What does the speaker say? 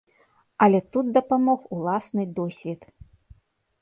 Але тут дапамог уласны досвед.